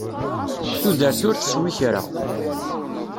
Tudert ur teswi kra.